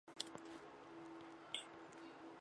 墨翟着书号墨子。